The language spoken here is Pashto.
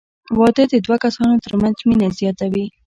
• واده د دوه کسانو تر منځ مینه زیاتوي.